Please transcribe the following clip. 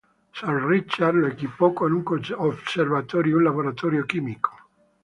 Sir Richard lo equipó con un observatorio y un laboratorio químico.